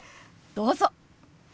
どうぞ！